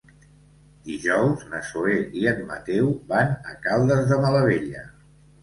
Dijous na Zoè i en Mateu van a Caldes de Malavella.